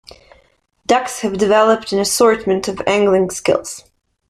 Ducks have developed an assortment of angling skills.